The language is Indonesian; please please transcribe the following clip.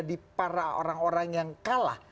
di para orang orang yang kalah